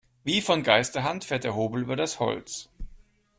Wie von Geisterhand fährt der Hobel über das Holz.